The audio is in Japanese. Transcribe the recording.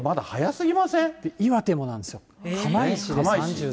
岩手もなんですよ、釜石で。